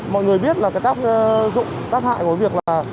mọi người biết là các tác hại của việc là